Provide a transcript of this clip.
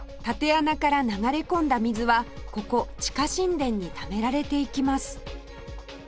竪穴から流れ込んだ水はここ地下神殿にためられていきます